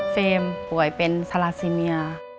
เฟรมป่วยเป็นทาราซีเมีย